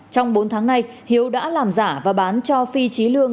trong bốn tháng nay hiếu đã làm giả và bán cho phi trí lương